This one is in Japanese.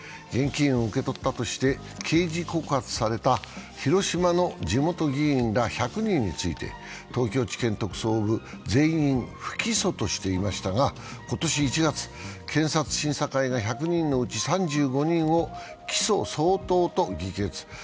現金を受け取ったとして刑事告発された広島の地元議員ら１００人について東京地検特捜部、全員不起訴としていましたが、今年１月、検察審査会が１００人のうち３５人を起訴相当と議決。